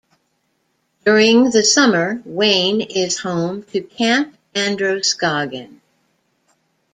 During the summer, Wayne is home to Camp Androscoggin.